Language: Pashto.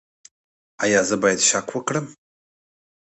ایا زه باید شک وکړم؟